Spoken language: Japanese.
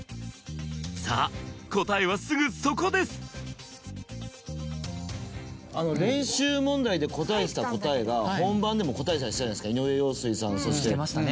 さぁ答えはすぐそこです練習問題で答えてた答えが本番でも答えたりしてたじゃないですか井上陽水さん。